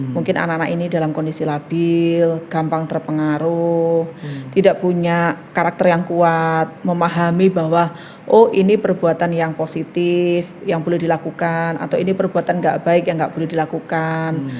mungkin anak anak ini dalam kondisi labil gampang terpengaruh tidak punya karakter yang kuat memahami bahwa oh ini perbuatan yang positif yang perlu dilakukan atau ini perbuatan gak baik yang nggak perlu dilakukan